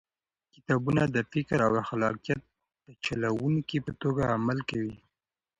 کتابونه د فکر او خلاقیت د چلوونکي په توګه عمل کوي.